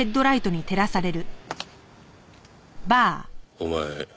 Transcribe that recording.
お前